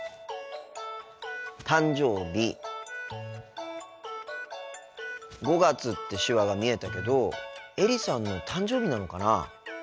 「誕生日」「５月」って手話が見えたけどエリさんの誕生日なのかな？